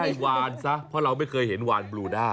วานซะเพราะเราไม่เคยเห็นวานบลูด้า